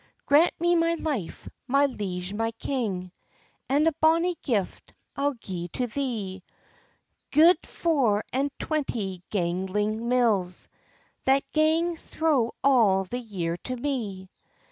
"Grant me my life, my liege, my king! And a bonnie gift I'll gi'e to thee: Gude four and twenty ganging {88d} mills, That gang thro' all the year to me.